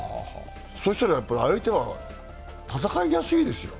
そしたら相手は戦いやすいですよ。